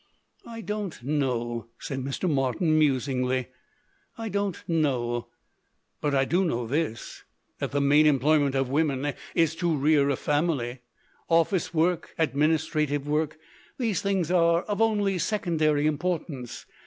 "I don't know," said Mr. Martin, musingly. "I don't know. But I do know this, that the main employment of woman is to rear a family. Office work, administrative work these things are of only secondary importance.